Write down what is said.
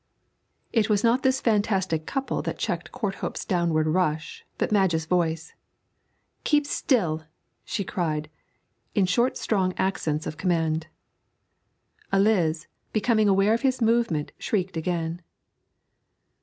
It was not this fantastic couple that checked Courthope's downward rush, but Madge's voice. 'Keep still!' she cried, in short strong accents of command. Eliz, becoming aware of his movement, shrieked again.